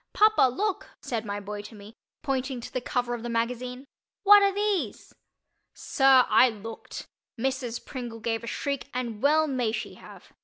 "Papa, look," said my boy to me, pointing to the cover of the magazine. "What are these?" Sir, I looked. Mrs. Pringle gave a shriek, and well may she have.